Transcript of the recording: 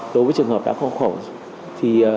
đối với trường hợp đã khó khẩu thì